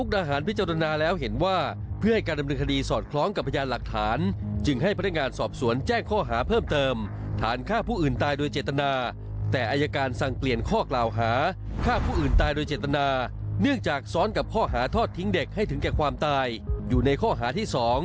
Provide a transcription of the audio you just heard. โดยสารฆ่าผู้อื่นตายโดยเจตนาแต่อายการสั่งเปลี่ยนข้อกล่าวหาฆ่าผู้อื่นตายโดยเจตนาเนื่องจากซ้อนกับข้อหาทอดทิ้งเด็กให้ถึงแก่ความตายอยู่ในข้อหาที่๒